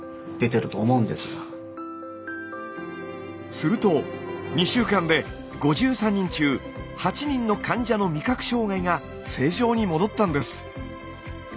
すると２週間で５３人中８人の患者の味覚障害が正常に戻ったんです。